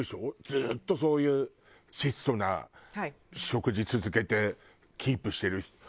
ずっとそういう質素な食事続けてキープしてる。